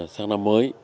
sáng năm mới